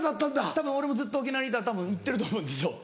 たぶん俺もずっと沖縄にいたら行ってると思うんですよ。